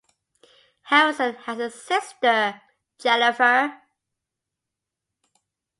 Harrison has a sister, Jennifer.